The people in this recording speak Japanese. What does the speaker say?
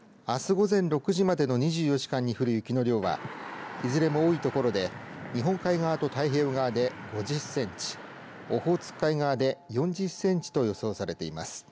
あす午前６時までの２４時間に降る雪の量はいずれも多い所で日本海側と太平洋側で５０センチオホーツク海側で４０センチと予想されています。